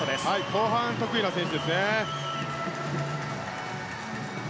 後半得意な選手ですね。